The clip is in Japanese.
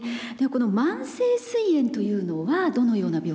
この慢性すい炎というのはどのような病気なんですか？